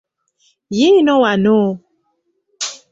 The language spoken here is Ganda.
Yiino wano!